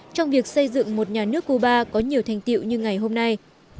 trong việc xây dựng một nhà nước cuba có nhiều thành tiệu như ngày hôm nay